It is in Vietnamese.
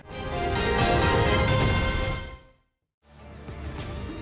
xuất khẩu lao động